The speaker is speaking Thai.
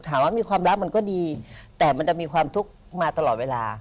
ถามว่ามีความรักมันก็ดีแต่มันจะมีความทุกข์มาตลอดเวลา